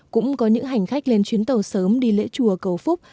cũng có những hành khách lên chuyến tàu sớm đi lễ chùa cầu phúc